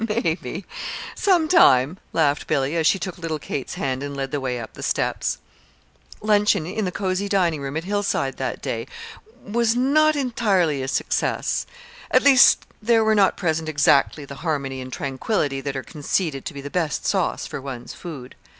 "Maybe sometime," laughed Billy, as she took little Kate's hand and led the way up the steps. Luncheon in the cozy dining room at Hillside that day was not entirely a success. At least there were not present exactly the harmony and tranquillity that are conceded to be the best sauce for one's food.